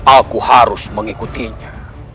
aku harus mengikutinya